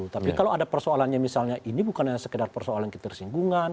tapi kalau ada persoalannya misalnya ini bukan hanya sekedar persoalan ketersinggungan